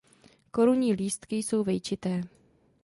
Korunní lístky jsou vejčité.